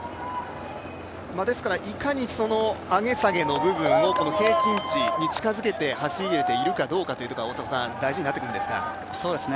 ですから、いかに上げ下げの部分を平均値に近づけて走れているかどうかというところが大事になってくるんですか。